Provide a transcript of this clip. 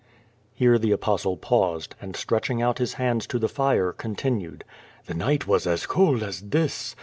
Here the Apostle paused, and stretching out his hands to the fire, continued: *'The night was as cold as this.